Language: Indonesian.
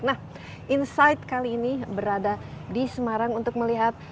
nah insight kali ini berada di semarang untuk melihat